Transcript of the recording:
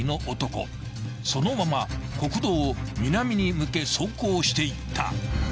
［そのまま国道を南に抜け走行していった］